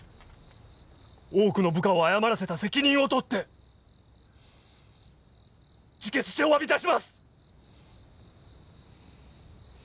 多くの部下を誤らせた責任を取って自決しておわび致します！